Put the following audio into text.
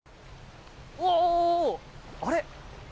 あれ？